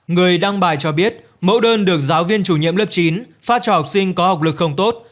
người đăng bài cho biết mẫu đơn được giáo viên chủ nhiệm lớp chín phát cho học sinh có học lực không tốt